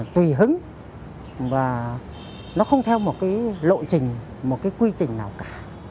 tùy hứng và nó không theo một cái lộ trình một cái quy trình nào cả